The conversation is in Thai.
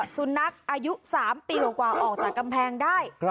สุนัขอายุ๓ปีกว่าออกจากกำแพงได้